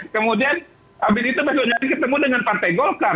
kemudian habis itu ketemu dengan pak tegolkar